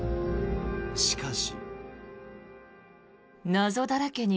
しかし。